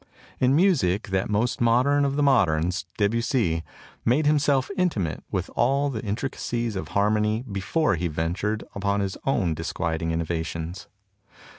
In music, that most modern of the moderns, Debussy, made himself intimate with all the intricacies of harmony before he ventured upon his own disquieting innovations.